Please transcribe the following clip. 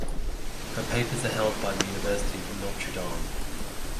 Her papers are held by the University of Notre Dame.